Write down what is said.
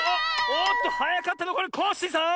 おっとはやかったのはこれコッシーさん！